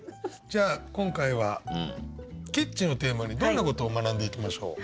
じゃあ今回は「キッチン」をテーマにどんなことを学んでいきましょう？